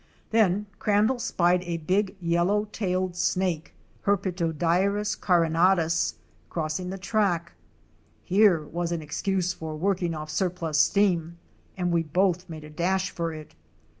Then Crandall spied a big yellow tailed snake (Her petodryas carinatus) crossing the track. Here was an excuse for work ing off surplus steam, and we both made a dash for it.